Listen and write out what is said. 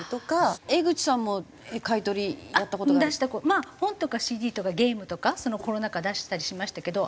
まあ本とかＣＤとかゲームとかコロナ禍出したりしましたけど